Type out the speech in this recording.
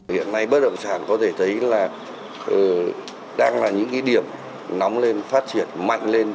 hiện nay bất động sản có thể thấy là đang là những cái điểm nóng lên phát triển mạnh lên